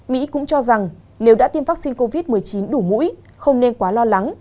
mỹ cũng cho rằng nếu đã tiêm vaccine covid một mươi chín đủ mũi không nên quá lo lắng